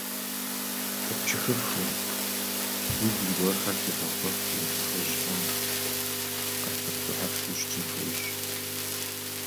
Дэпчыхыфу, уигу зыгуэрхэр тебгъэхуэфу, нэхъыжьхэм къапэпкӀухьыфу ущытын хуейщ.